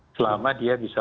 selama dia bisa